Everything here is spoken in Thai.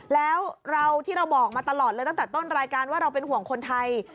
แล้วเราที่เราบอกมาตลอดเลยตั้งแต่ต้นรายการว่าเราเป็นห่วงคนไทย